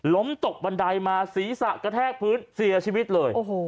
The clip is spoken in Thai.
ตกบันไดมาศีรษะกระแทกพื้นเสียชีวิตเลย